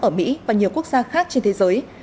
ở mỹ và nhiều quốc gia khác trên thế giới